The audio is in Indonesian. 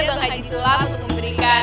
bang haji silakan